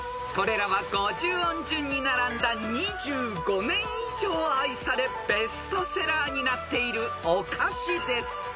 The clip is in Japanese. ［これらは５０音順に並んだ２５年以上愛されベストセラーになっているお菓子です］